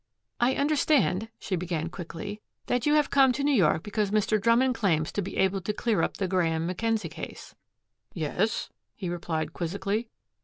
"I understand," she began quickly, "that you have come to New York because Mr. Drummond claims to be able to clear up the Graeme Mackenzie case." "Yes?" he replied quizzically.